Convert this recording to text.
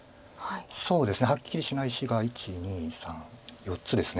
そうですね。はっきりしない石が１２３４つですね。